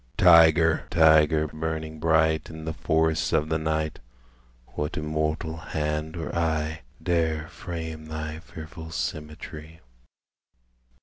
Tyger, tyger, burning bright In the forests of the night, What immortal hand or eye Dare frame thy fearful symmetry?